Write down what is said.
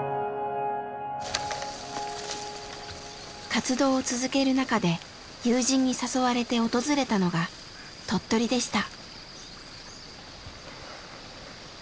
活動を続ける中で友人に誘われて訪れたのが鳥取でした。